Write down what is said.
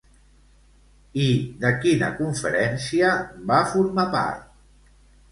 I de quina conferència va formar part?